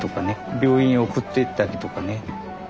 病院へ送っていったりとかね。